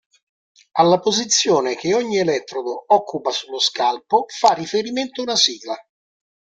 Alla posizione che ogni elettrodo occupa sullo scalpo fa riferimento una sigla.